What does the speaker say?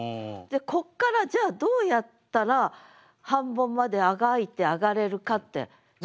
こっからじゃあどうやったら半ボンまであがいて上がれるかって。